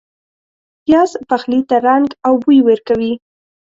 پیاز پخلي ته رنګ او بوی ورکوي